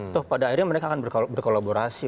toh pada akhirnya mereka akan berkolaborasi